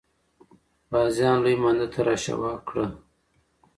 غازیان لوی مانده ته را سوه کړه.